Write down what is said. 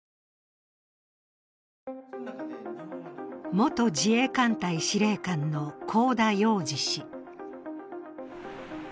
元自衛艦隊司令官の香田洋二氏。